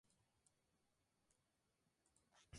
Milita en Al-Ettifaq de la Liga Profesional Saudí.